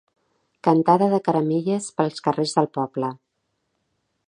Cantada de caramelles pels carrers del poble.